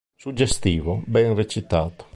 Suggestivo, ben recitato.